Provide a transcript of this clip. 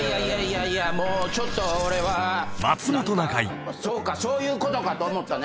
ちょっと俺はそうかそういうことかと思ったね。